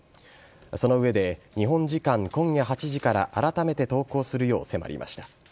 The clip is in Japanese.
その上で日本時間今夜８時からあらためて投降するよう迫りました。